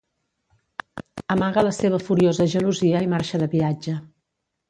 Amaga la seva furiosa gelosia i marxa de viatge.